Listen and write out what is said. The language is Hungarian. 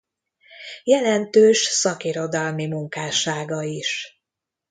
Jelentős szakirodalmi munkássága is.